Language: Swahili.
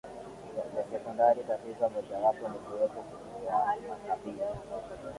za sekondari Tatizo mojawapo ni kuwepo wa makabila